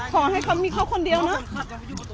ขอให้มีเขาคนเดียวเนาะ